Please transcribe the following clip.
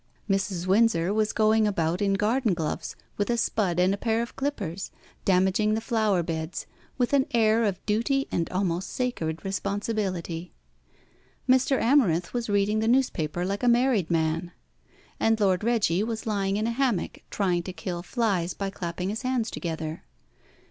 Mrs. Windsor was going about in garden gloves, with a spud and a pair of clippers, damaging the flower beds, with an air of duty and almost sacred responsibility. Mr. Amarinth was reading the newspaper like a married man; and Lord Reggie was lying in a hammock, trying to kill flies by clapping his hands together.